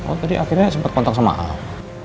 oh tadi akhirnya sempet kontak sama om